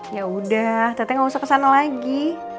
yaudah tete gak usah kesana lagi